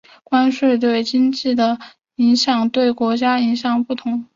关税对经济的影响对不同国家不同。